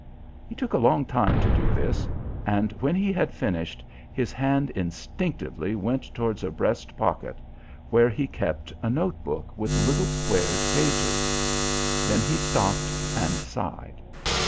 He took a long time to do this, and when he had finished his hand instinctively went towards a breast pocket where he kept a note book with little squared pages. Then he stopped and sighed.